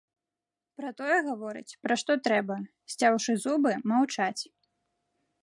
Пра тое гаворыць, пра што трэба, сцяўшы зубы, маўчаць.